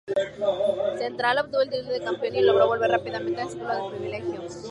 Central obtuvo el título de campeón y logró volver rápidamente al círculo de privilegio.